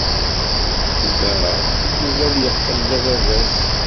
Ugaɣ Yuba ad yeqqel d ababat.